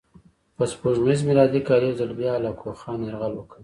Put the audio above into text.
په سپوږمیز میلادي کال یو ځل بیا هولاکوخان یرغل وکړ.